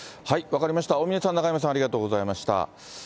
分かりました、大峯さん、中山さん、ありがとうございました。